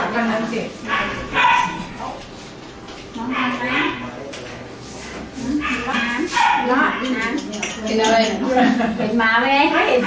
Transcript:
กินมะไว้